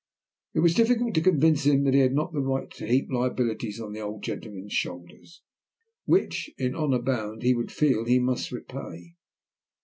It was difficult to convince him that he had not the right to heap liabilities on the old gentleman's shoulder, which, in honour bound, he would feel he must repay.